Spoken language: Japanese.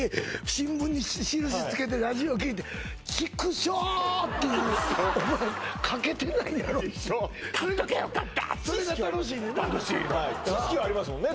新聞に印つけてラジオ聞いてちくしょーっていうお前賭けてないやろ？って一緒買っときゃよかったってそれが楽しいねんな楽しいの知識はありますもんね